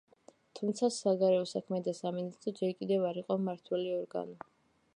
თუმცა, საგარეო საქმეთა სამინისტრო ჯერ კიდევ არ იყო მმართველი ორგანო.